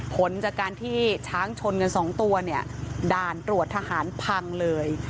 ผลจากการที่ช้างชนกันสองตัวเนี่ยด่านตรวจทหารพังเลย